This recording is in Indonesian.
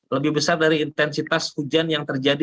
lebih besar dari intensitas hujan yang terjadi